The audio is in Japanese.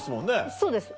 そうです